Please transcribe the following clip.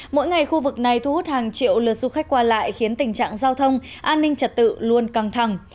mỗi ngày khu vực này thu hút hàng triệu lượt du khách qua lại khiến tình trạng giao thông an ninh trật tự luôn căng thẳng